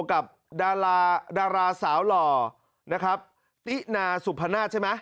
กับดาราดาราสาวหล่อนะครับตินาสุพนาศใช่ไหม